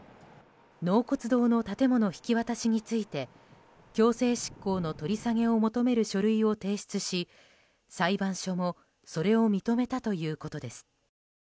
納骨堂の建物引き渡しについて強制執行の取り下げを求める書類を提出し裁判所もそれを認めたということです。